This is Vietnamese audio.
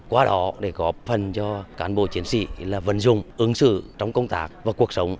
qua đó để góp phần cho cán bộ chiến sĩ vận dụng ứng xử trong công tác và cuộc sống